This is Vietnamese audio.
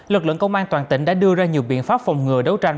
lực lượng công an toàn tỉnh đã đưa ra nhiều biện pháp phòng ngừa đấu tranh